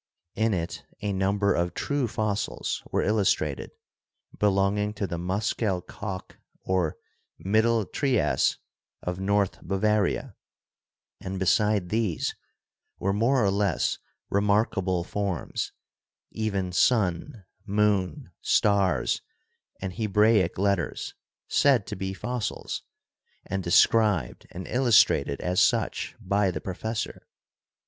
In it a number of true fossils were illustrated, belonging to the Muschel kalk or Middle Trias of North Bavaria, and beside these were more or less remarkable forms, even sun, moon, stars and Hebraic letters, said to be fossils, and described and illustrated as such by the professor.